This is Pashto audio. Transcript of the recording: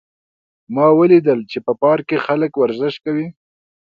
ما ولیدل چې په پارک کې خلک ورزش کوي